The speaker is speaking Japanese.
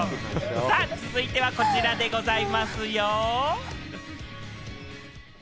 続いては、こちらでございますよ。